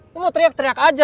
aku mau teriak teriak aja